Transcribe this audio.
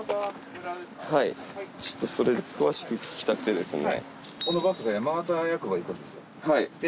はいちょっとそれ詳しく聞きたくてですね。